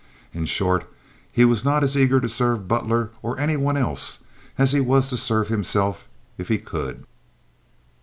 In short he was not as eager to serve Butler, or any one else, as he was to serve himself if he could.